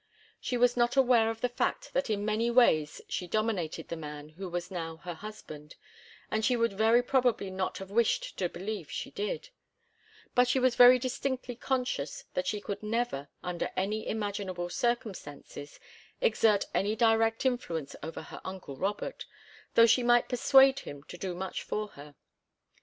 She was not aware of the fact that in many ways she dominated the man who was now her husband, and she would very probably not have wished to believe she did; but she was very distinctly conscious that she could never, under any imaginable circumstances, exert any direct influence over her uncle Robert, though she might persuade him to do much for her.